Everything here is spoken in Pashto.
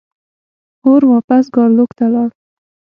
اور واپس ګارلوک ته لاړ.